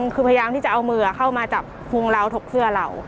คือพยายามที่จะเอามือเข้ามาจับพุงเราถกเสื้อเรา